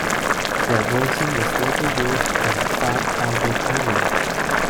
Their version was later used in the Fat Albert movie.